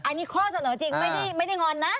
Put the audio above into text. อันนี้ข้อเสนอจริงไม่ได้งอนนะ